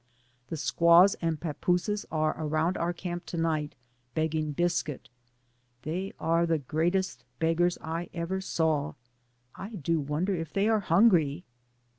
The squaws and pappooses are around our camp to night begging biscuit. They are the greatest beggars. I ever saw. I do won der if they are hungry